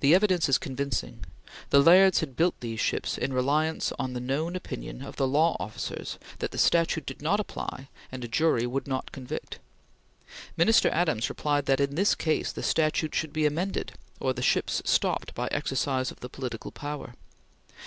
The evidence is convincing. The Lairds had built these ships in reliance on the known opinion of the law officers that the statute did not apply, and a jury would not convict. Minister Adams replied that, in this case, the statute should be amended, or the ships stopped by exercise of the political power.